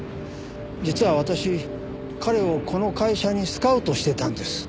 実は私彼をこの会社にスカウトしてたんです。